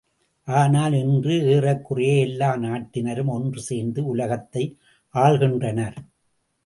ஆனால் இன்று, ஏறக்குறைய எல்லா நாட்டினரும் ஒன்று சேர்ந்து உலகத்தை ஆள்கின்றனர்.